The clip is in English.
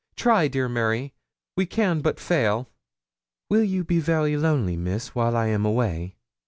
Try, dear Mary; we can but fail.' 'Will you be very lonely, Miss, while I am away?'